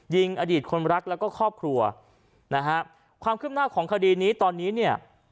ยิงอดีตคนรักแล้วก็ครอบครัวนะฮะความคืบหน้าของคดีนี้ตอนนี้เนี่ย